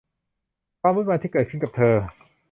ความวุ่นวายที่เกิดขึ้นกับเธอ